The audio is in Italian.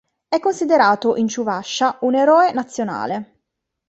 È considerato in Ciuvascia un Eroe nazionale.